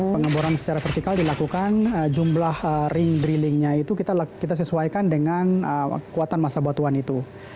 pengeboran secara vertikal dilakukan jumlah ring drillingnya itu kita sesuaikan dengan kuatan masa batuan itu